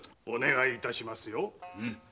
お願いいたしますよ。